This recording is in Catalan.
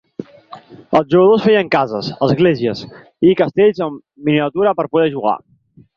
Els jugadors feien cases, esglésies i castells en miniatura per poder jugar.